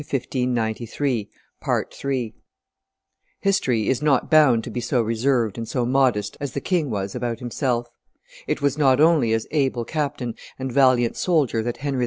[Illustration: Rosny Castle 30] History is not bound to be so reserved and so modest as the king was about himself. It was not only as able captain and valiant soldier that Henry IV.